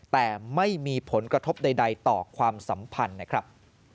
แต่ไม่มีผลกระทบใดต่อความสัมพันธ์นะครับ